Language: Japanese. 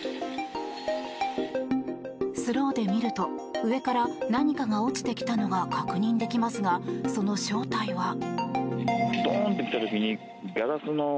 スローで見ると上から何かが落ちてきたのが確認できますがその正体は。